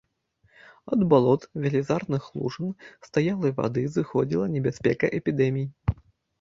Ад балот, велізарных лужын стаялай вады зыходзіла небяспека эпідэмій.